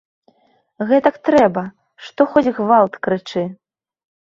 Гэтак трэба, што хоць гвалт крычы.